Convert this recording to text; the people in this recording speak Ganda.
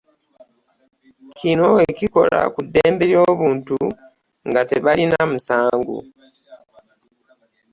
Kino ekikola ku ddembe ly'obuntu nga tebaliina musango.